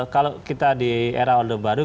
kalau kita di era orde baru